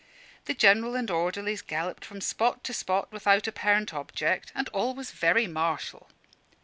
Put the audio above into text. The General and orderlies galloped from spot to spot without apparent object; and all was very martial.